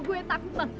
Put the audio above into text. gue takut bang